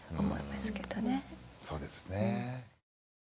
そうですね。